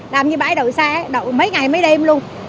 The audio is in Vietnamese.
làm như bãi đậu xe đầu mấy ngày mấy đêm luôn